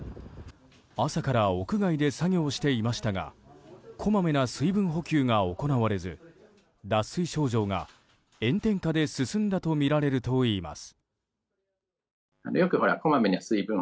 朝から屋外で作業していましたがこまめな水分補給が行われず脱水症状が炎天下で進んだとみられるといいます。